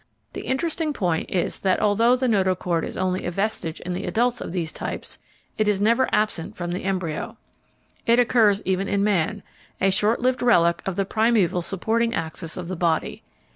The interesting point is that although the notochord is only a vestige in the adults of these types, it is never absent from the embryo. It occurs even in man, a short lived relic of the primeval supporting axis of the body.